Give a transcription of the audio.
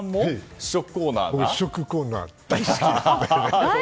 試食コーナー、大好きなんで！